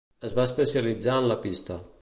Es va especialitzar en la pista.